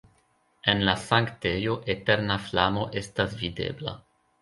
En la sankltejo eterna flamo estas videbla.